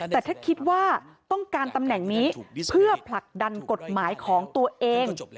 แต่ถ้าคิดว่าต้องการตำแหน่งนี้เพื่อผลักดันกฎหมายของตัวเอง